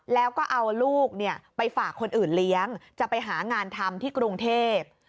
แล้วก็เอาลูกไปฝากคนอื่นเลี้ยงจะไปหางานทำที่กรุงเทพ